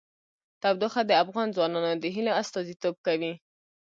تودوخه د افغان ځوانانو د هیلو استازیتوب کوي.